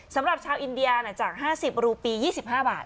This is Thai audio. สำหรับชาวอินเดียจาก๕๐รูปี๒๕บาท